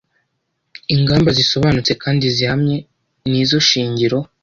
Ingamba zisobanutse kandi zihamye nizo shingiro